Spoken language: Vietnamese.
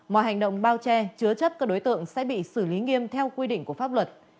mọi hành động bao che chứa chấp các đối tượng sẽ bị xử lý nghiêm theo quy định của pháp luật